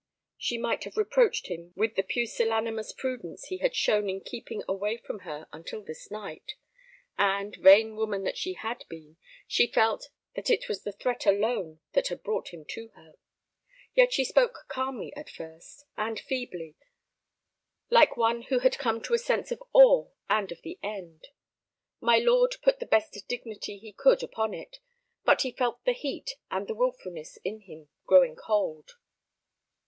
She might have reproached him with the pusillanimous prudence he had shown in keeping away from her until this night. And, vain woman that she had been, she felt that it was the threat alone that had brought him to her. Yet she spoke calmly at first, and feebly, like one who had come to a sense of awe and of the end. My lord put the best dignity he could upon it, but he felt the heat and the wilfulness in him growing cold.